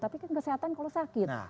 tapi kesehatan kalau sakit